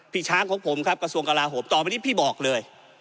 พี่ช้างของผมครับกระทรวงกลาโหมต่อไปนี้พี่บอกเลย